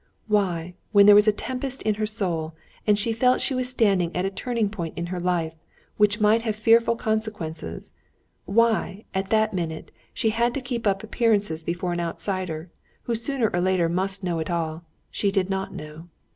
Why, when there was a tempest in her soul, and she felt she was standing at a turning point in her life, which might have fearful consequences—why, at that minute, she had to keep up appearances before an outsider, who sooner or later must know it all—she did not know.